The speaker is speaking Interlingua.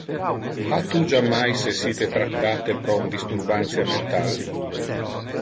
Ha tu jammais essite tractate pro un disturbantia mental?